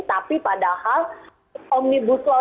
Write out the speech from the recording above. tapi padahal omnibus lawan erukita kerja ini jauh lebih jauh